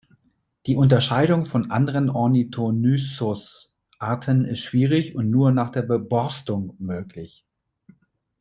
Die Unterscheidung von anderen "Ornithonyssus"-Arten ist schwierig und nur nach der Beborstung möglich.